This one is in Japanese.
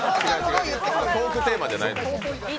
トークテーマじゃないんです。